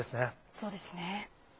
そうですね。